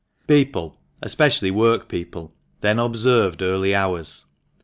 People — especially work people — then observed early hours.